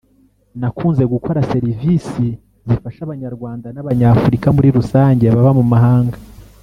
nakunze gukora serivisi zifasha abanyarwanda n’abanyafurika muri rusange baba mu mahanga